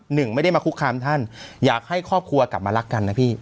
หนึ่งไม่ได้มาคุกคามท่านอยากให้ครอบครัวกลับมารักกันนะพี่